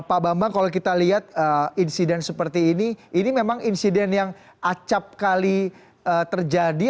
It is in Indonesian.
pak bambang kalau kita lihat insiden seperti ini ini memang insiden yang acap kali terjadi